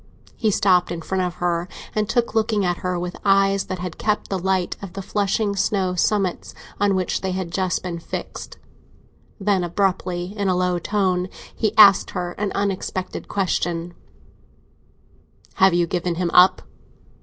He stopped in front of her and stood looking at her, with eyes that had kept the light of the flushing snow summits on which they had just been fixed. Then, abruptly, in a low tone, he asked her an unexpected question: "Have you given him up?"